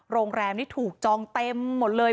โรงแรมนี้ถูกจองเต็มหมดเลย